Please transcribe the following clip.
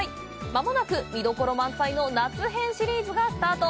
間もなく、見どころ満載の夏編シリーズがスタート！